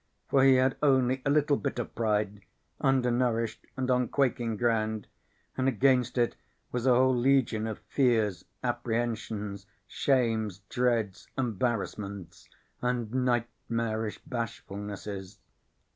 For he had only a little bit of pride, undernourished and on quaking ground, and against it was a whole legion of fears, apprehensions, shames, dreads, embarrassments, and nightmarish bashfulnesses.